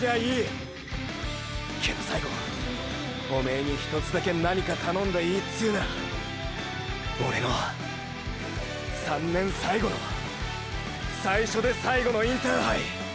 けど最後おめーにひとつだけ何か頼んでいいつうならオレの３年最後の最初で最後のインターハイ